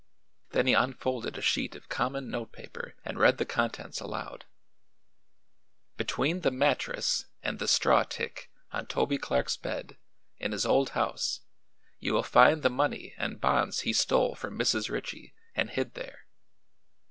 Then he unfolded a sheet of common note paper and read the contents aloud: "'Between the mattress and the straw tick on Toby Clark's bed in his old house you will find the money and bonds he stole from Mrs. Ritchie and hid there.